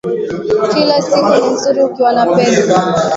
Kila siku ni nzuri ukiwa na pesa